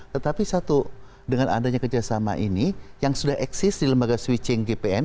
tetapi satu dengan adanya kerjasama ini yang sudah eksis di lembaga switching gpn